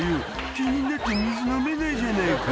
気になって水飲めないじゃないか」